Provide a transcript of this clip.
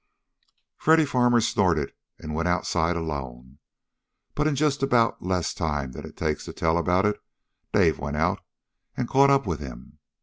Freddy Farmer snorted and went outside alone, but in just about less time than it takes to tell about it Dave went out and caught up with him.